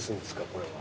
これは。